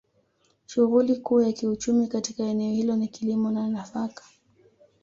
Shughuli Kuu ya kiuchumi katika eneo hilo ni kilimo cha nafaka